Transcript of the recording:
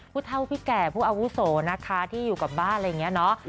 ผู้เท่าผู้แก่ผู้อาวุโสนะคะที่อยู่กับบ้านอะไรอย่างนี้เนาะ